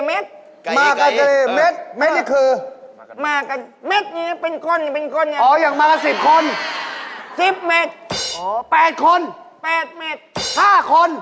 มากันแมทเป็นคนอย่างนี้เป็นคน